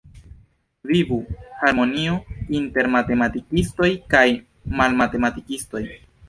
Vivu harmonio inter matematikistoj kaj malmatematikistoj!